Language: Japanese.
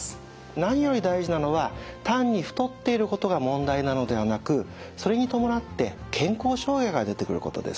何より大事なのは単に太っていることが問題なのではなくそれに伴って健康障害が出てくることです。